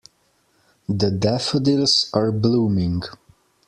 The daffodils are blooming.